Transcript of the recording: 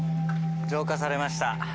浄化されました。